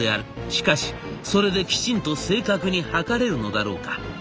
しかしそれできちんと正確に測れるのだろうか」。